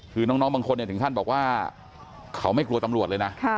คือน้องบางคนถึงขั้นบอกว่าเขาไม่กลัวตำรวจเลยนะ